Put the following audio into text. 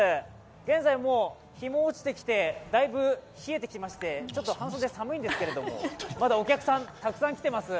現在、日も落ちてきてだいぶ冷えてきましてちょっと半袖じゃ寒いんですけど、まだお客さん、たくさん来てます。